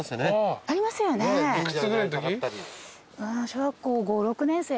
小学校５６年生。